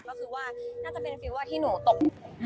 ก็คือว่าน่าจะเป็นฟีเวอร์ที่หนูตก